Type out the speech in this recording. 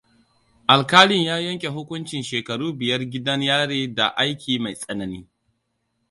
Alƙalin ya yanke hukuncin shekaru biyar gidan yari da aiki mai tsanani.